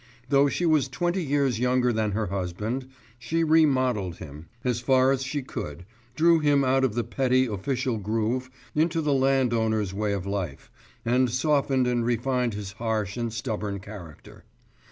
Though she was twenty years younger than her husband, she remodelled him, as far as she could, drew him out of the petty official groove into the landowner's way of life, and softened and refined his harsh and stubborn character.